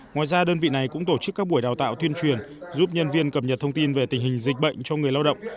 ngoài ra đơn vị này cũng tổ chức các buổi đào tạo tuyên truyền giúp nhân viên cập nhật thông tin về tình hình dịch bệnh cho người lao động